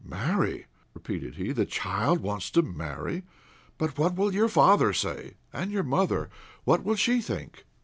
"Marry!" repeated he, "the child wants to marry. But what will your father say? And your mother, what will she think?"